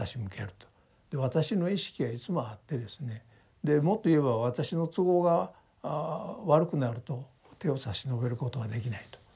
で私の意識がいつもあってですねでもっと言えば私の都合が悪くなると手を差し伸べることができないと。